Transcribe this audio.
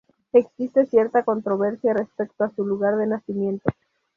Existe cierta controversia respecto a su lugar de nacimiento.